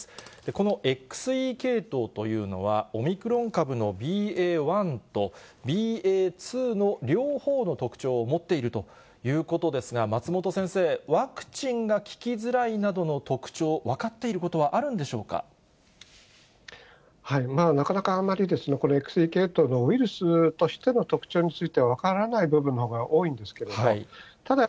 このＸＥ系統というのは、オミクロン株のＢＡ．１とＢＡ．２の両方の特徴を持っているということですが、松本先生、ワクチンが効きづらいなどの特徴、分かっていることはあるんでしょまだなかなかあんまり、ＸＥ系統のウイルスとしての特徴については、分からない部分のほうが多いんですけれども、ただ、